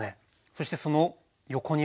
そしてその横にある。